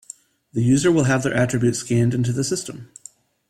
The user will have their attribute scanned into the system.